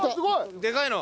でかいの！